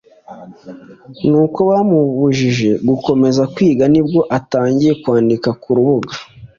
n uko bamubujije gukomeza kwiga Ni bwo atangiye kwandika ku rubuga